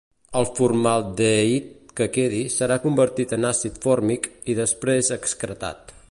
El formaldehid que quedi serà convertit en àcid fòrmic i després excretat.